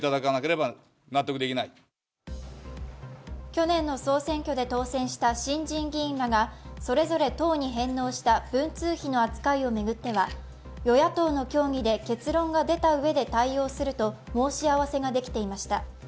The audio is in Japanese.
去年の総選挙で当選した新人議員らがそれぞれ党に返納した文通費の扱いを巡っては与野党の協議で結論が出たうえで対応すると申し合わせができていました。